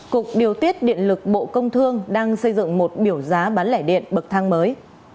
cục điều tiết điện lực bộ công thương đang xây dựng một biểu giá bán lẻ điện bậc thang mới